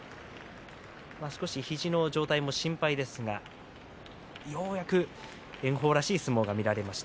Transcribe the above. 少し肘の状態も心配ですがようやく炎鵬らしい相撲が見られました。